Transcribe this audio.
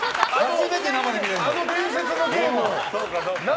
あの伝説のゲームを。